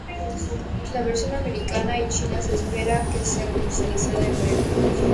La versión americana y China se espera que sea comercializado en breve.